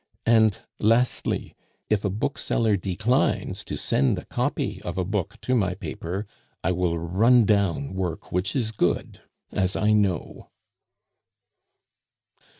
And lastly, if a bookseller declines to send a copy of a book to my paper, I will run down work which is good, as I know."